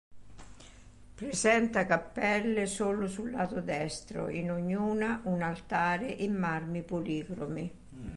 Presenta cappelle solo sul lato destro, in ognuna, un altare in marmi policromi.